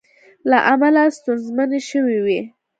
له امله ستونزمنې شوې وې